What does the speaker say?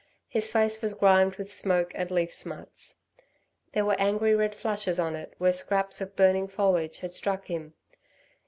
His face was grimed with smoke and leaf smuts. There were angry red flushes on it where scraps of burning foliage had struck him.